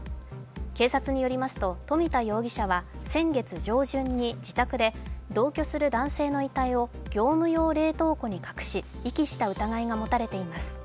警察によると富田容疑者は、先月上旬に自宅で同居する男性の遺体を業務用冷凍庫に隠し、遺棄した疑いが持たれています。